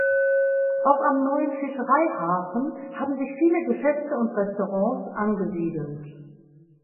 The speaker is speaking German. Auch am neuen Fischereihafen haben sich viele Geschäfte und Restaurants angesiedelt.